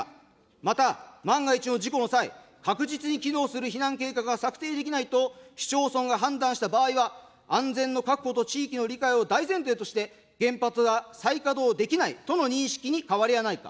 また、万が一の事故の際、確実に機能する避難計画が策定できないと、市町村が判断した場合は、安全の確保と地域の理解を大前提として、原発が再稼働できないとの認識に変わりはないか。